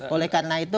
oleh karena itu